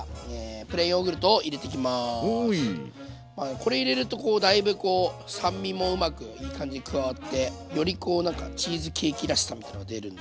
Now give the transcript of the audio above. これ入れるとだいぶこう酸味もうまくいい感じに加わってよりこうなんかチーズケーキらしさみたいの出るんで。